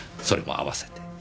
それも合わせて。